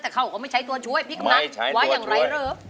แต่เขาก็ไม่ใช้ตัวช่วยพี่กำนันว่าอย่างไรเหรอ